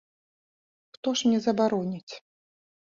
Хто ж мне забароніць?